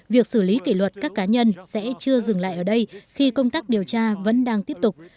việc xử lý kỷ luật các cá nhân sẽ chưa dừng lại ở đây khi công tác điều tra vẫn đang tiếp tục